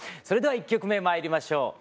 それでは１曲目まいりましょう。